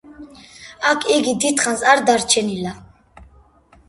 აქ იგი დიდხანს არ დარჩენილა.